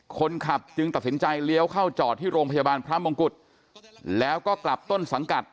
คนขับจึงตัดสินใจเลี้ยวเข้าจอดที่โรงพยาบาลพระมงกุฎแล้วก็กลับต้นสังกัด